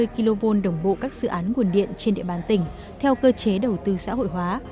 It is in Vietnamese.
hai trăm hai mươi kv đồng bộ các dự án nguồn điện trên địa bàn tỉnh theo cơ chế đầu tư xã hội hóa